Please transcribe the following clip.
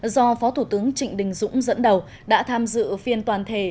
do phó thủ tướng trịnh đình dũng dẫn đầu đã tham dự phiên toàn thể